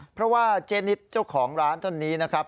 เพราะว่าเจนิดเจ้าของร้านท่านนี้นะครับ